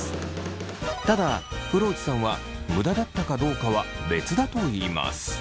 ただ風呂内さんは無駄だったかどうかは別だといいます。